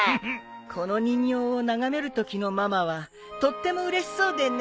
この人形を眺めるときのママはとってもうれしそうでね。